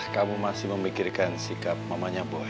kamu masih memikirkan sikap mamanya boy